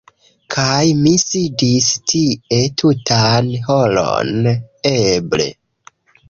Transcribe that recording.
Kaj mi sidis tie tutan horon eble.